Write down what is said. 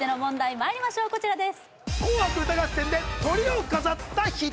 まいりましょうこちらです